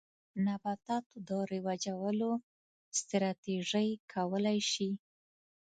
نباتاتو د رواجولو ستراتیژۍ کولای شي.